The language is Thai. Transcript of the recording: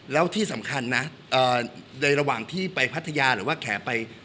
แล้วที่สำคัญนะในระหว่างที่ไปพัทยาหรือว่าแขไป